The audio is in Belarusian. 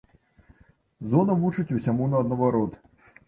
Зона вучыць усяму наадварот.